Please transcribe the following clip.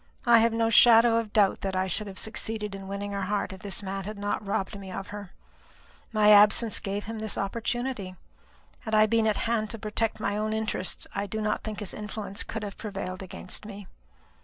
I have no shadow of doubt that I should have succeeded in winning her heart if this man had not robbed me of her. My absence gave him his opportunity. Had I been at hand to protect my own interests, I do not think his influence could have prevailed against me."